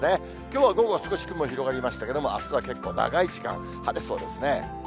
きょうは午後、少し雲が広がりましたけれども、あすは結構長い時間、晴れそうですね。